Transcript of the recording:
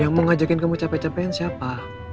yang mau ngajakin kamu capek capekan siapa